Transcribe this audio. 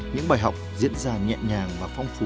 những bài học diễn ra nhẹ nhàng và phong phú